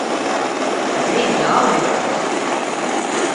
Beidz ālēties!